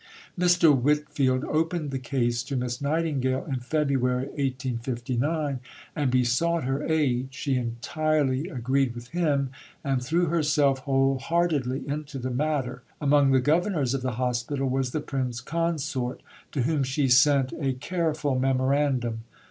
Mr. Whitfield opened the case to Miss Nightingale in February 1859, and besought her aid; she entirely agreed with him, and threw herself whole heartedly into the matter. Among the Governors of the Hospital was the Prince Consort, to whom she sent a careful memorandum.